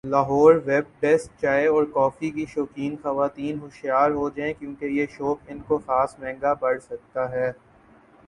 Lahore web desk چائے اور coffee کی شوقین خواتین ہوشیار ہوجائیں کیونکہ یہ شوق ان کو خاص مہنگا پڑ سکتا ہے